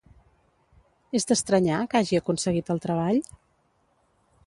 És d'estranyar que hagi aconseguit el treball?